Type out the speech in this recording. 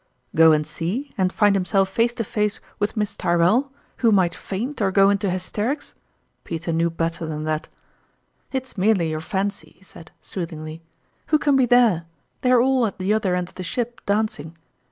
Go and see, and find himself face to face il ana Counterfoil. 123 with Miss Tyrrell, who might faint or go into hysterics. Peter knew better than that. " It's merely your fancy," he said, soothing ly. " Who can be there ? They are all at the other end of the ship, dancing.